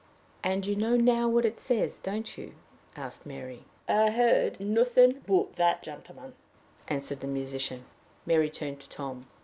"And you know now what it says, don't you?" asked Mary. "I heard nothing but the old gentleman," answered the musician. Mary turned to Tom.